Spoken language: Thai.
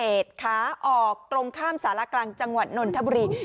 พัฒนาทิเบสขาออกตรงข้ามสาหร่ากลางจังหวัดนนท์ทะบุรี